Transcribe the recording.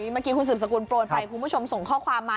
เมื่อกี้คุณสืบสกุลโปรยไปคุณผู้ชมส่งข้อความมา